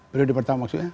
periode pertama maksudnya